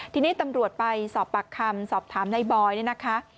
ทีนี้ตำรวจไปสอบปากคำสอบถามในบอยเนี่ยนะคะ